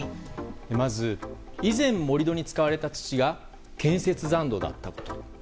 まず、以前盛り土に使われた土が建設残土だったこと。